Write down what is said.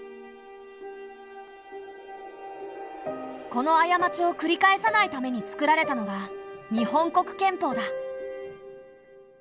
このあやまちをくり返さないために作られたのが日本国憲法だ。